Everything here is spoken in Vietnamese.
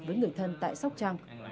với người thân tại sóc trăng